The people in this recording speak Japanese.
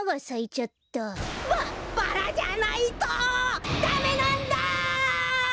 ババラじゃないとダメなんだ！